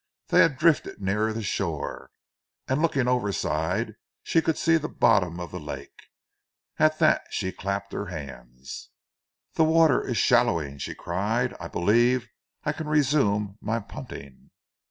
They had drifted nearer the shore, and looking overside she could see the bottom of the lake. At that she clapped her hands. "The water is shallowing," she cried, "I believe I can resume my punting."